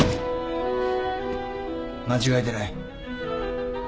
間違えてない。